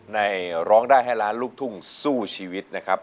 ร้องได้ให้ล้านลูกทุ่งสู้ชีวิตนะครับ